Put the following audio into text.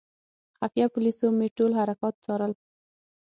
خفیه پولیسو مې ټول حرکات څارل.